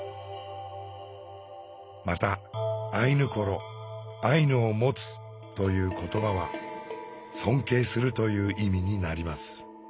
また「アイヌコロ」「アイヌを持つ」という言葉は「尊敬する」という意味になります。